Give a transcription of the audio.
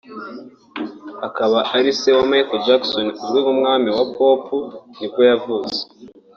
akaba ari se wa Michael Jackson uzwi nk’umwami wa Pop nibwo yavutse